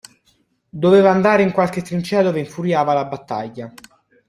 Doveva andare in qualche trincea dove infuriava la battaglia.